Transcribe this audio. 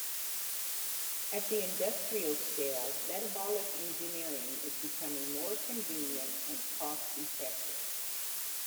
At the industrial scale, metabolic engineering is becoming more convenient and cost effective.